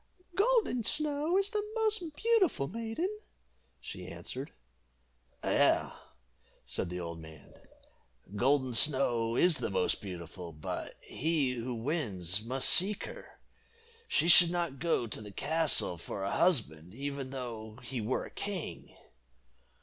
"Golden Snow is the most beautiful maiden," she answered. "Yes," said the old man, "Golden Snow is the most beautiful, but he who wins must seek her. She should not go to the castle for a husband, even though he were a king."